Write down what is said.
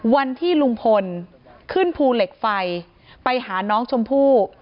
วันที่ลุงพลขึ้นภูเหล็กไฟไปหาน้องชมพู่